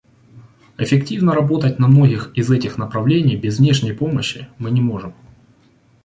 Эффективно работать на многих из этих направлений без внешней помощи мы не можем.